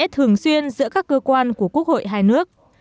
thường xuyên giữa các cơ quan của quốc hội hai nước